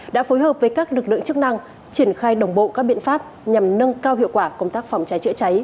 đã phối hợp với các lực lượng chức năng triển khai đồng bộ các biện pháp nhằm nâng cao hiệu quả công tác phòng cháy chữa cháy